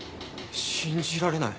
信じられない。